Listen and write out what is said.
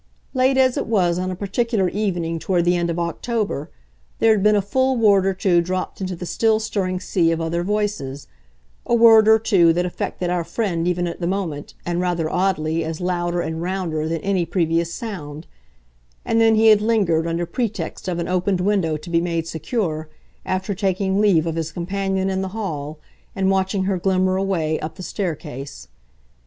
Late as it was on a particular evening toward the end of October, there had been a full word or two dropped into the still stirring sea of other voices a word or two that affected our friend even at the moment, and rather oddly, as louder and rounder than any previous sound; and then he had lingered, under pretext of an opened window to be made secure, after taking leave of his companion in the hall and watching her glimmer away up the staircase.